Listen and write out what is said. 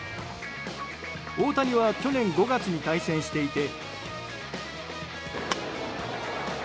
大谷は去年５月に対戦していて。